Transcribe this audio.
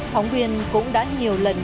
phóng viên cũng đã nhiều lần